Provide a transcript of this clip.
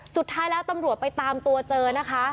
สุดท้ายแล้วตำรวจไปตามตัวเจอนะคะ